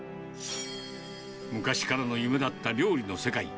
昔からの夢だった料理の世界。